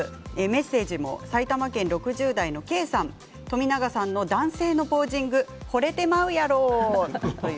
埼玉県６０代の方冨永さんの男性のポージングほれてまうやろ！